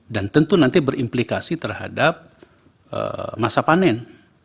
dan tentu nanti berimplikasi terhadap masa panen